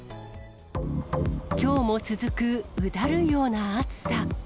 きょうも続くうだるような暑さ。